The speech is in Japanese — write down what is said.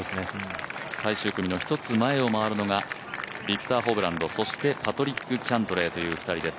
最終組の１つ前を回るのがビクター・ホブランド、そしてパトリック・キャントレーという２人です。